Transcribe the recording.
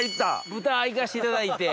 豚行かせていただいて。